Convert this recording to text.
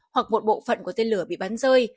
hoặc một bộ phận của tên lửa bị bắn rơi